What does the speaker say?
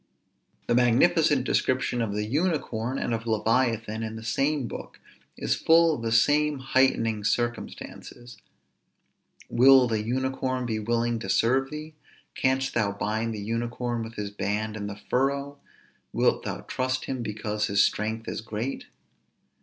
_ The magnificent description of the unicorn and of leviathan, in the same book, is full of the same heightening circumstances: _Will the unicorn be willing to serve thee? canst thou bind the unicorn with his band in the furrow? wilt thou trust him because his strength is great?